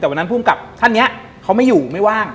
แต่วันนั้นภูมิกับท่านนี้เขาไม่อยู่ไม่ว่าง